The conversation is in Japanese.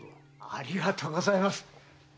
ありがとうございます。